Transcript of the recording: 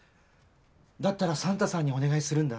「だったらサンタさんにお願いするんだ」